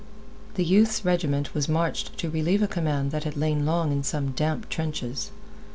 The youth's regiment was marched to relieve a command that had lain long in some damp trenches.